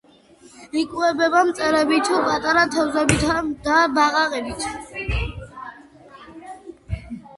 იკვებება მწერებით, პატარა თევზებითა და ბაყაყებით.